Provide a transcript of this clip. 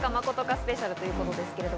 スペシャルということですけれども。